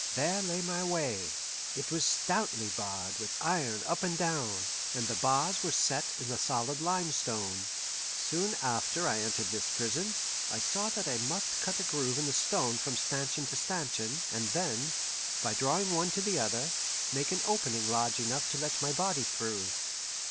There lay my way. It was stoutly barred with iron up and down, and the bars were set in the solid limestone. Soon after I entered this prison, I saw that I must cut a groove in the stone from stanchion to stanchion, and then, by drawing one to the other, make an opening large enough to let my body through.